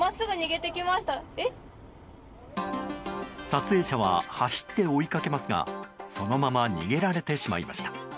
撮影者は走って追いかけますがそのまま逃げられてしまいました。